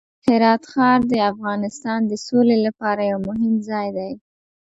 هرات ښار د افغانستان د سولې لپاره یو مهم ځای دی.